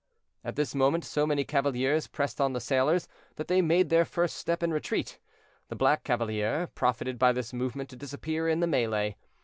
At this moment so many cavaliers pressed on the sailors, that they made their first step in retreat. The black cavalier profited by this movement to disappear in the melée.